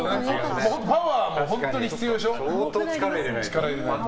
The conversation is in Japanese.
パワーも本当に必要でしょ。